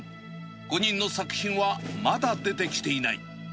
５人の作品はまだ出てきていない。